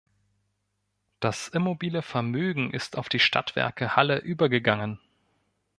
Das immobile Vermögen ist auf die Stadtwerke Halle übergegangen.